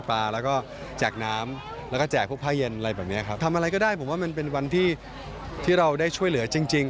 ผมว่ามันเป็นวันที่เราได้ช่วยเหลือจริง